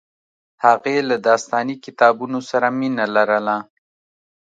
هغې له داستاني کتابونو سره مینه لرله